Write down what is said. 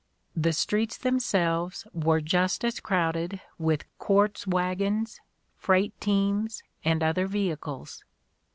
The streets themselves were just as crowded with quartz wagons, freight teams, and other vehicles.